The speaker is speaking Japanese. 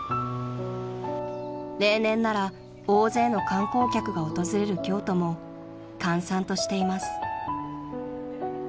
［例年なら大勢の観光客が訪れる京都も閑散としています］